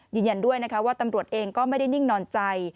ยืนยันด้วยนะคะว่าตำรวจเองก็ไม่ได้นิ่งนอนใจ